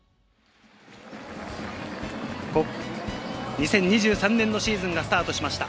２０２３年のシーズンがスタートしました。